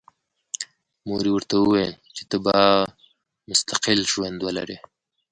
مور یې ورته وویل چې ته به مستقل ژوند ولرې